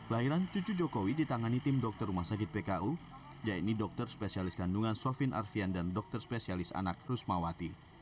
lahiran cucu jokowi ditangani tim dokter rumah sakit pku yaitu dokter spesialis kandungan sofin arfian dan dokter spesialis anak rusmawati